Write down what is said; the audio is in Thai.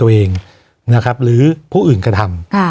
วันนี้แม่ช่วยเงินมากกว่า